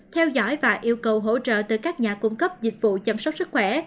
theo dõi và yêu cầu hỗ trợ từ các nhà cung cấp dịch vụ chăm sóc sức khỏe